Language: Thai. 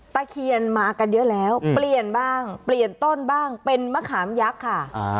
ตะเคียนมากันเยอะแล้วเปลี่ยนบ้างเปลี่ยนต้นบ้างเป็นมะขามยักษ์ค่ะ